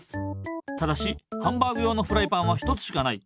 ただしハンバーグ用のフライパンは１つしかない。